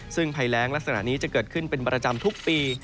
ซึ่งภัยแรงลักษณะนี้จะเกิดขึ้นเป็นประจำทุกปี